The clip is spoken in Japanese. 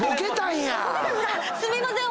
すみません！